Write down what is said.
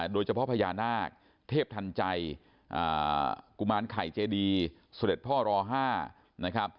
โดยเฉพาะพญานาคเทพทันใจกุมารไข่เจดีเสด็จพ่อร๕นะครับ